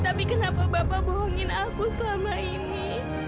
tapi kenapa bapak bohongin aku selama ini